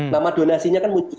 nama donasinya kan muncul